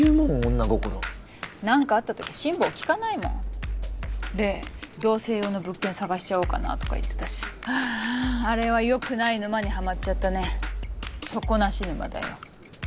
女心何かあったとき辛抱きかないもん黎同棲用の物件探しちゃおうかなとか言ってたしあああれはよくない沼にハマっちゃったね底なし沼だよ